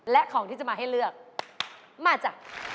และของที่จะมาให้เลือกมาจาก